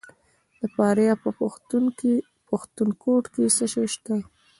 د فاریاب په پښتون کوټ کې څه شی شته؟